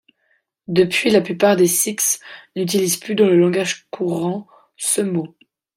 Depuis la plupart des sikhs n'utilisent plus dans le langage courant ce mot.